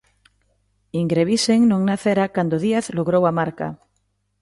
Ingrebisen non nacera cando Díaz logrou a marca.